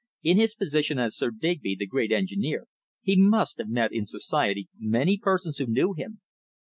In his position as Sir Digby, the great engineer, he must have met in society many persons who knew him.